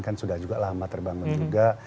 kan sudah juga lama terbangun juga